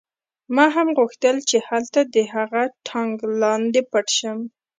ما هم غوښتل چې هلته د هغه ټانک لاندې پټ شم